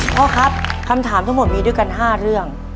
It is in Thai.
พ่อครับคำถามทั้งหมดมีด้วยกัน๕เรื่อง